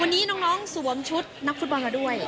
วันนี้น้องสวมชุดนักฟุตบอลมาด้วย